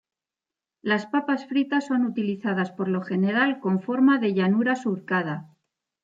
Las papas fritas son utilizadas por lo general con forma de llanura surcada.